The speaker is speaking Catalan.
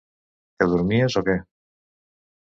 Que dormies o què?